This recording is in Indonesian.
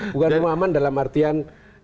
bukan rumah aman dalam artian